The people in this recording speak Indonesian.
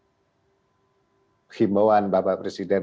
jadi dengan adanya himauan bapak presiden